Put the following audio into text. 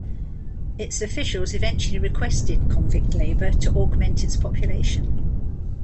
Its officials eventually requested convict labour to augment its population.